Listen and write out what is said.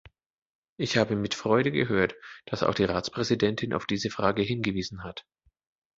Ich habe mit Freude gehört, dass auch die Ratspräsidentin auf diese Frage hingewiesen hat.